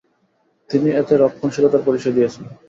তিনি এতে রক্ষণশীলতার পরিচয় দিয়েছেন।